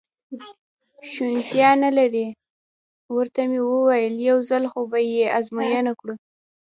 شونېتیا نه لري، ورته مې وویل: یو ځل خو به یې ازموینه کړو.